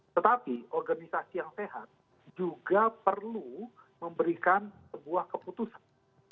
tetapi organisasi yang sehat juga perlu memberikan sebuah keputusan